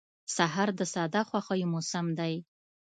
سهار د ساده خوښیو موسم دی.